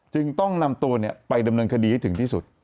จึงต้องนำตัวไปดำเนินคดีให้ถึงที่สุด